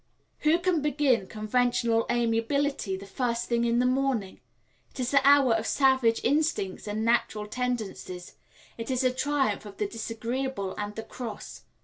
Who can begin conventional amiability the first thing in the morning? It is the hour of savage instincts and natural tendencies; it is the triumph of the Disagreeable and the Cross.